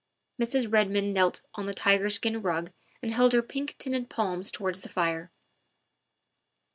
Mrs. Redmond knelt on the tiger skin rug and held her pink tinted palms towards the fire.